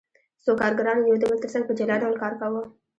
څو کارګرانو یو د بل ترڅنګ په جلا ډول کار کاوه